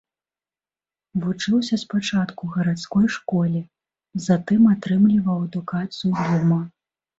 Вучыўся спачатку ў гарадской школе, затым атрымліваў адукацыю дома.